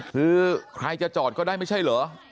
คือใครจะจอดก็ได้ไม่ใช่เหรอ